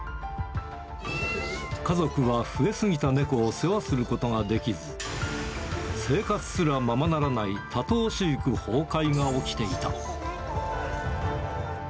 家族は増え過ぎた猫を世話することができず、生活すらままならない多頭飼育崩壊が起きていた。